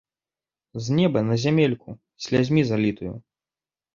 З неба на зямельку, слязьмі залітую!